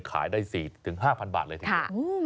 ขายได้๔๕พันบาทใช่มั้ย